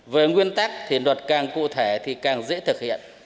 về nguyên tắc thì luật càng cụ thể thì càng dễ thực hiện